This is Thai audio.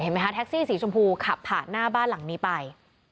แท็กซี่สีชมพูขับผ่านหน้าบ้านหลังนี้ไป